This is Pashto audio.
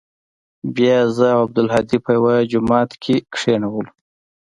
بيا يې زه او عبدالهادي په يوه جماعت کښې کښېنولو.